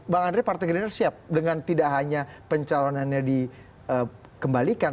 bang andre partai gerindra siap dengan tidak hanya pencalonannya dikembalikan